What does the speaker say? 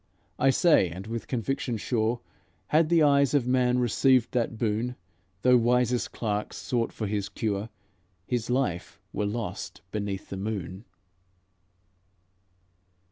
I say, and with conviction sure, Had the eyes of man received that boon, Though wisest clerks sought for his cure, His life were lost beneath the moon.